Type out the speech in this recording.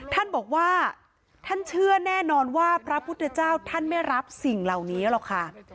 ท่านบอกว่าท่านเชื่อแน่นอนว่าพระพุทธเจ้าท่านไม่รับสิ่งเหล่านี้หรอกค่ะ